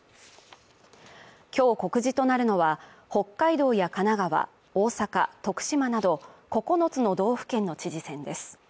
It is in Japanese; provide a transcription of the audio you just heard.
今日告示となるのは、北海道や神奈川、大阪、徳島など９つの道府県の知事選です。